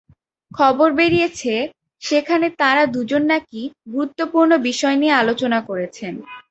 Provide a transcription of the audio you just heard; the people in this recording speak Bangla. খবর বেরিয়েছে, সেখানে তাঁরা দুজন নাকি গুরুত্বপূর্ণ বিষয় নিয়ে আলোচনা করেছেন।